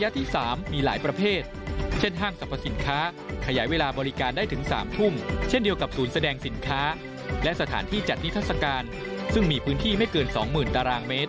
ที่มีพื้นที่ไม่เกิน๒๐๐๐๐ตารางเมตร